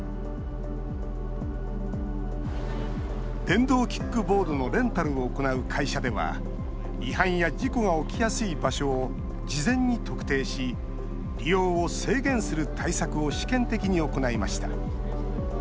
電動キックボードのレンタルを行う会社では違反や事故が起きやすい場所を事前に特定し利用を制限する対策を試験的に行いました。